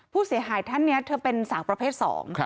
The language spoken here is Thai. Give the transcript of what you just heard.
ผู้เสียหายท่านนี้เธอเป็นสาวประเภทสอง